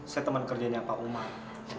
saya teman kerjanya pak umar